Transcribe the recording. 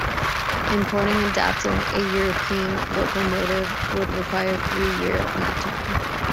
Importing and adapting a European locomotive would require a three-year lead time.